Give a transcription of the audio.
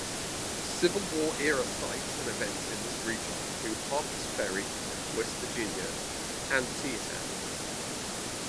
Civil War-era sites and events in this region include Harpers Ferry, West Virginia; Antietam.